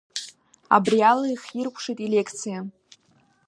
Абриала ихиркәшеит илекциа.